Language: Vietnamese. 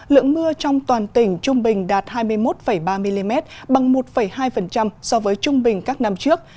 lượng mưa trong toàn tỉnh trung bình đạt hai mươi một ba mm bằng một hai so với trung bình các năm trước